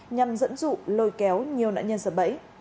nhằm dẫn dụ lôi kéo nhiều nạn nhân sập bẫy